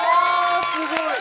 すごい。